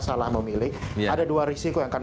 salah memilih ada dua risiko yang akan